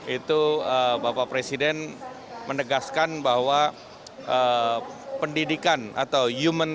itu bapak presiden menegaskan bahwa pendidikan atau human